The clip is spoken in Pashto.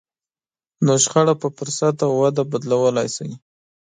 نو شخړه په فرصت او وده بدلولای شئ.